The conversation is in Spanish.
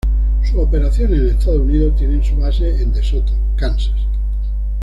Sus operaciones en Estados Unidos tienen su base en De Soto, Kansas.